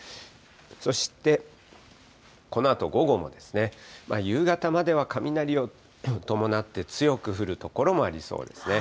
そしてこのあと午後も、夕方までは雷を伴って強く降る所もありそうですね。